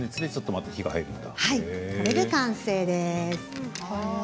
これで完成です。